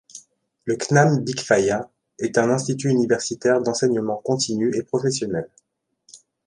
Le Cnam Bikfaya est un institut universitaire d'enseignement continue et professionnel.